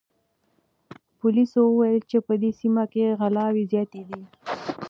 پولیسو وویل چې په دې سیمه کې غلاوې زیاتې دي.